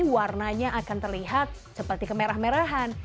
warnanya akan terlihat seperti kemerah merahan